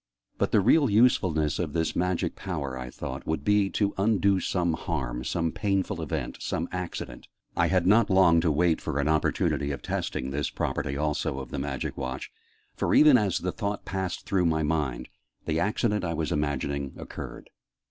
"But the real usefulness of this magic power," I thought, "would be to undo some harm, some painful event, some accident " I had not long to wait for an opportunity of testing this property also of the Magic Watch, for, even as the thought passed through my mind, the accident I was imagining occurred.